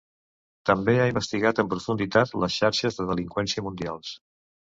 També ha investigat en profunditat les xarxes de delinqüència mundials.